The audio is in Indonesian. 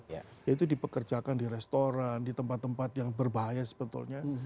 itu dipekerjakan di restoran di tempat tempat yang berbahaya sebetulnya